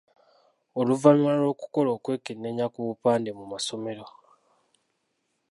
Oluvannyuma lw’okukola okwekennenya ku bupande mu masomero.